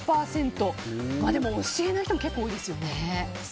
でも、教えない人も結構多いですね。